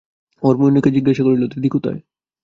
হরিমোহিনীকে জিজ্ঞাসা করিল, দিদি কোথায়?